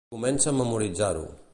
Comença a memoritzar-ho.